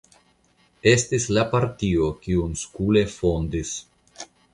Estis la partio, kiun Skule fondis.